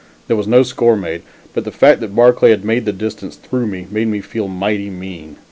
There was no score made, but the fact that Barclay had made the distance through me, made me feel mighty mean.